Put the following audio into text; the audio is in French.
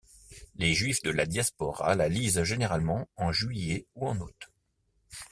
Les Juifs de la Diaspora la lisent généralement en juillet ou en août.